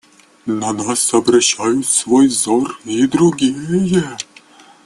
На нас обращают свой взор и другие.